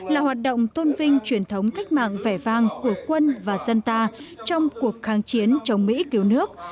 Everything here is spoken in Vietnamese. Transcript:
là hoạt động tôn vinh truyền thống cách mạng vẻ vang của quân và dân ta trong cuộc kháng chiến chống mỹ cứu nước